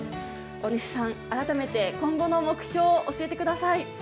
大西さん、改めて今後の目標教えてください。